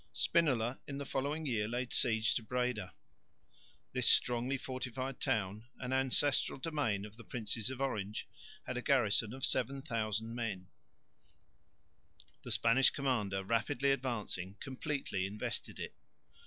Spinola in the following year laid siege to Breda. This strongly fortified town, an ancestral domain of the Princes of Orange, had a garrison of 7000 men. The Spanish commander rapidly advancing completely invested it.